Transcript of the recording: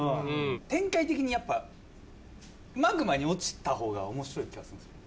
展開的にやっぱマグマに落ちた方が面白い気がするんですよ。